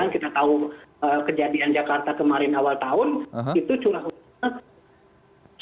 kita tahu kejadian jakarta kemarin awal tahun itu curah hujan